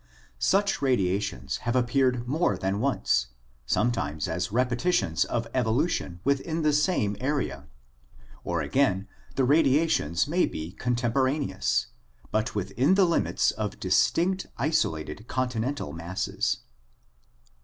Such radiations have appeared more than once, sometimes as repetitions of evolution within the same area, or again the radiations may be contemporaneous, but within the limits of distinct isolated continental masses.